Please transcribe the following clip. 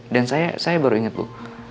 dan saya baru ingat bu